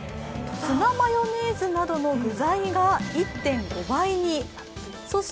ツナマヨネーズなどの具材が１．５倍に。